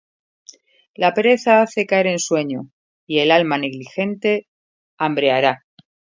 La pereza hace caer en sueño; Y el alma negligente hambreará.